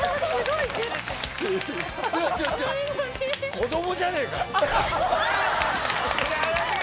子供じゃねえかよ。